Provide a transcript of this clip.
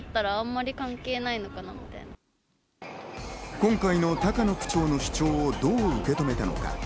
今回の高野区長の主張をどう受け止めたのか？